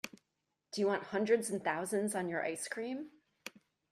Do you want hundreds and thousands on your ice cream?